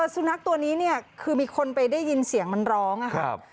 สุนัขตัวนี้คือมีคนไปได้ยินเสียงมันร้องค่ะ